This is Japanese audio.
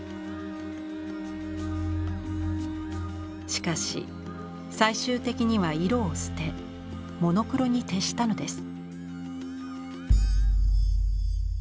しかし最終的には色を捨てモノクロに徹したのです。